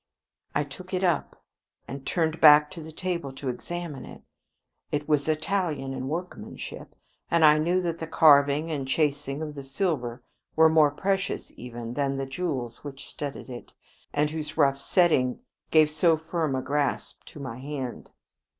I took it up and turned back to the table to examine it. It was Italian in workmanship, and I knew that the carving and chasing of the silver were more precious even than the jewels which studded it, and whose rough setting gave so firm a grasp to my hand.